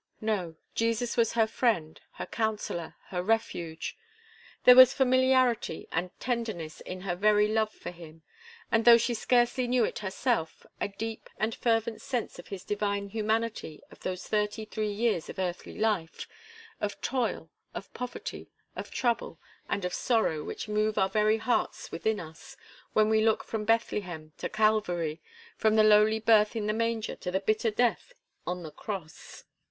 No, Jesus was her friend, her counsellor, her refuge. There was familiarity and tenderness in her very love for Him; and, though she scarcely knew it herself, a deep and fervent sense of His divine humanity of those thirty three years of earthly life, of toil, of poverty, of trouble, and of sorrow which move our very hearts within us, when we look from Bethlehem to Calvary, from the lowly birth in the Manger to the bitter death on the Cross.